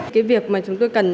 cái việc mà chúng tôi cần